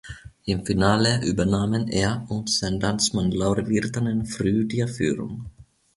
Im Finale übernahmen er und sein Landsmann Lauri Virtanen früh die Führung.